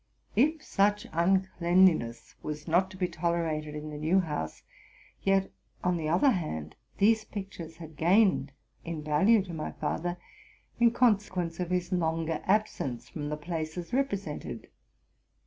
If such uncleanlhi ness was not to be tolerated in the new house, yet, on the other hand, these pictures had gained in value to my father, in consequence of his longer absence from the places repre sented.